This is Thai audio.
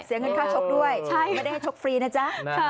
เสียเงินค่าชกด้วยใช่ไม่ได้ให้ชกฟรีนะจ๊ะ